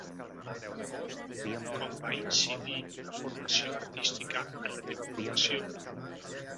Com va incidir la formació artística en la teua professió?